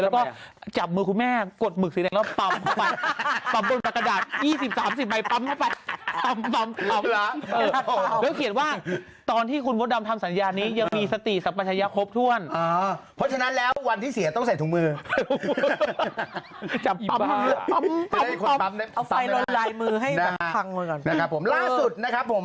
แล้วก็จับมือคุณแม่กดหมึกเสียงแล้วปั๊มเข้าไป